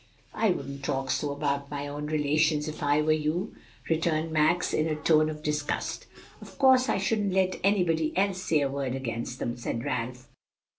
"I wouldn't talk so about my own relations, if I were you," returned Max, in a tone of disgust. "Of course I shouldn't let anybody else say a word against them," said Ralph.